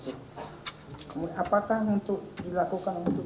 apakah untuk dilakukan untuk